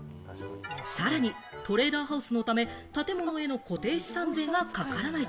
さらにトレーラーハウスのため、建物への固定資産税がかからない。